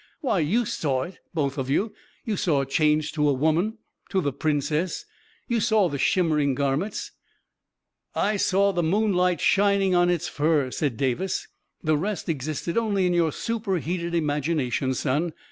" Why, you saw it — both of you — you saw it change to a woman — to the Princess — you saw the shimmering gar ments ..."" I saw the moonlight shining on its fur," said Davis, " The rest existed only in your super heated imagination, son!